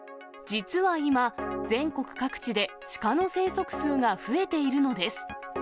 実は今、全国各地でシカの生息数が増えているのです。